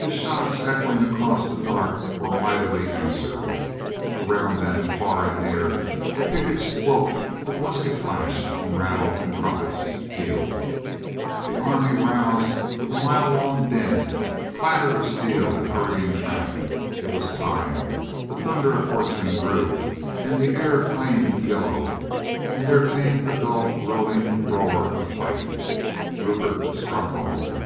His shots echoing across the dark were mightily answered. Around them far and near the pickets woke with musket flash and rattle and trumpets pealed. The army roused with a mile long din, clatter of steel and hurrying tramp. It was time. The thunder of horsemen grew and the air flamed yellow, and there came the dull rolling roar of fight. Rupert struck home.